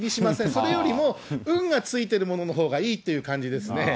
それよりも、運がついてるもののほうがいいという感じですね。